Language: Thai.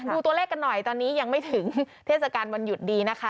ดูตัวเลขกันหน่อยตอนนี้ยังไม่ถึงเทศกาลวันหยุดดีนะคะ